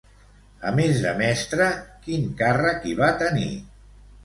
A més de mestra, quin càrrec hi va tenir?